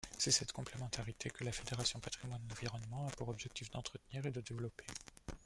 C’est cette complémentarité que la Fédération Patrimoine-Environnement a pour objectif d’entretenir et de développer.